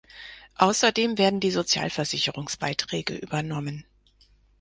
Außerdem werden die Sozialversicherungsbeiträge übernommen.